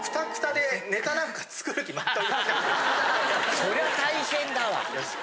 そりゃ大変だわ。